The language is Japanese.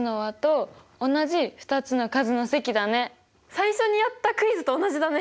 最初にやったクイズと同じだね！